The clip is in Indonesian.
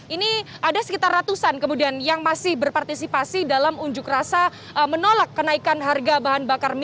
ini ada sekitar ratusan kemudian yang masih berpartisipasi dalam unjuk rasa menolak kenaikan harga bahan bakar minyak